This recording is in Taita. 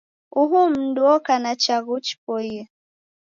Uhu m'ndu oka na chaghu chipoie.